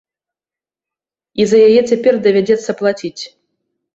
І за яе цяпер давядзецца плаціць.